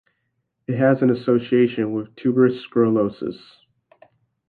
It has an association with tuberous sclerosis.